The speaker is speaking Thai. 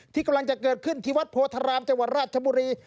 ที่กำลังจะเกิดขึ้นที่วัดโพธารามจังหวัดราชบุรี